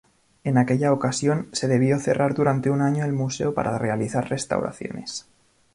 En aquella ocasión, se debió cerrar durante un año el museo para realizar restauraciones.